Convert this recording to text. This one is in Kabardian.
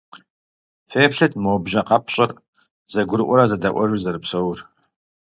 Феплъыт, мо бжьэ къэпщӀыр зэгурыӀуэрэ зэдэӀуэжу зэрыпсэур.